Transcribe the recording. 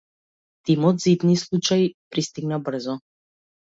Тимот за итни случаи пристигна брзо.